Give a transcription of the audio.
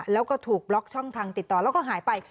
แล้วก็ถูกบล็อกช่องทางติดต่อแล้วก็หายไป